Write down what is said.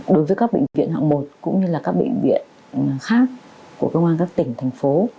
đối với các bệnh viện hạng một cũng như là các bệnh viện khác của công an các tỉnh thành phố